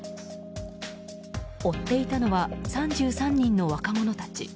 追っていたのは３３人の若者たち。